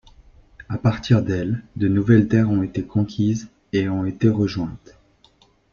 À partir d'elles, de nouvelles terres ont été conquises, et ont été rejointes.